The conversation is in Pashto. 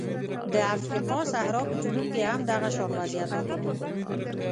د افریقا صحرا په جنوب کې هم دغه شان وضعیت حاکم و.